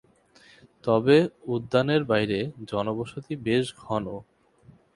তবে উদ্যানের বাইরে জনবসতি বেশ ঘন।